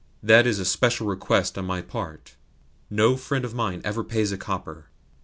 That is a special request on my part. No friend of mine ever pays a copper."